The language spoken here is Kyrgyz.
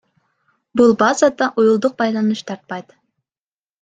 Бул базада уюлдук байланыш тартпайт.